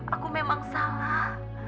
aku memang salah